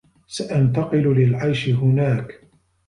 سأنتقل للعيش هناك.